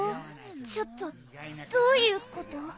ちょっとどういうこと？